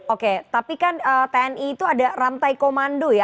oke tapi kan tni itu ada rantai komando ya